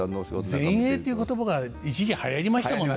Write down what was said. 前衛って言葉が一時はやりましたもんね。